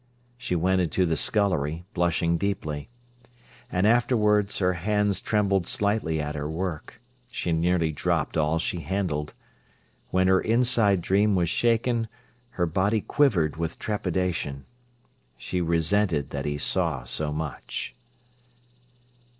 She went into the scullery, blushing deeply. And afterwards her hands trembled slightly at her work. She nearly dropped all she handled. When her inside dream was shaken, her body quivered with trepidation. She resented that he saw so much.